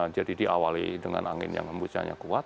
jadi diawali dengan angin yang hembusannya kuat